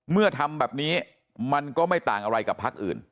ทำแบบนี้มันก็ไม่ต่างอะไรกับพักอื่น